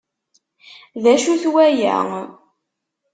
D acu-t waya?